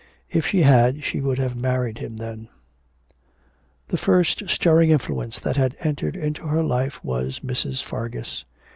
If she had, she would have married him then... The first stirring influence that had entered into her life was Mrs. Fargus.